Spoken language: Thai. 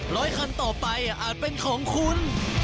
ร้อยคันต่อไปอาจเป็นของคุณ